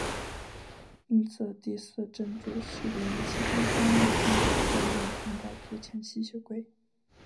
因此第四真祖是连其他三位真祖都认同的最强吸血鬼。